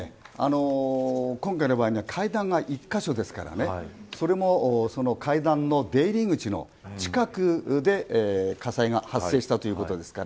今回の場合には階段が１カ所ですからそれも階段の出入り口の近くで火災が発生したということですから